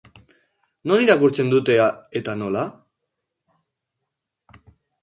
Non irakurtzen dute eta nola?